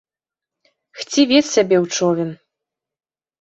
Хцівец сябе ў човен!